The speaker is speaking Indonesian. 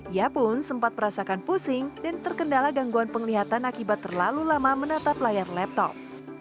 ia pun sempat merasakan pusing dan terkendala gangguan penglihatan akibat terlalu lama menatap layar laptop